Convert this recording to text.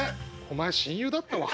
お前親友だったわ」。